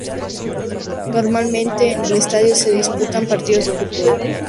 Normalmente, en el estadio se disputan partidos de fútbol.